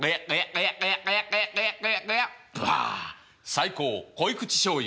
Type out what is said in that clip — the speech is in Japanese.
最高濃い口しょうゆ。